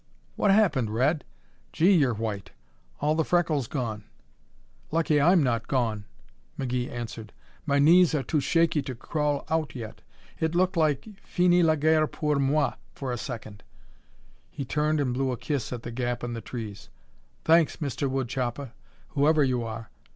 "What happened, Red? Gee, you're white! All the freckles gone." "Lucky I'm not gone!" McGee answered. "My knees are too shaky to crawl out yet. It looked like finis la guerre pour moi for a second." He turned and blew a kiss at the gap in the trees. "Thanks, Mr. Woodchopper, whoever you are.